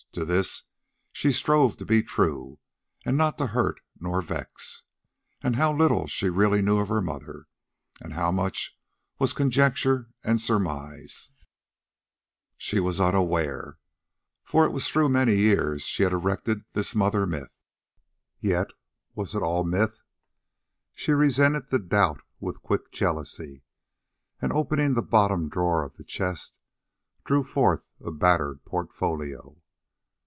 To this she strove to be true, and not to hurt nor vex. And how little she really knew of her mother, and of how much was conjecture and surmise, she was unaware; for it was through many years she had erected this mother myth. Yet was it all myth? She resented the doubt with quick jealousy, and, opening the bottom drawer of the chest, drew forth a battered portfolio.